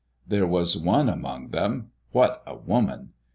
There was one among them, what a woman!